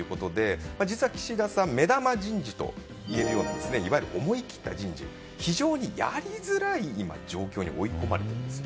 実は、岸田さん目玉人事というようないわゆる思い切った人事を非常にやりづらい状況に追い込まれているんです。